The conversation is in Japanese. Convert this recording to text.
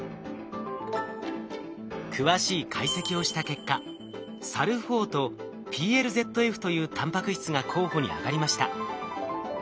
詳しい解析をした結果ＳＡＬＬ４とＰＬＺＦというタンパク質が候補に挙がりました。